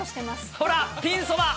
ほら、ピンそば。